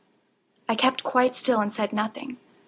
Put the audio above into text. I kept quite still and said nothing.